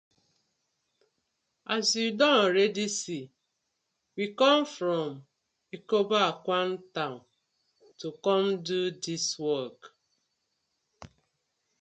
As yu don already see, we com from Ekoboakwan town to com to do dis work.